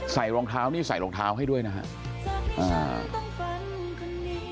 รองเท้านี่ใส่รองเท้าให้ด้วยนะครับ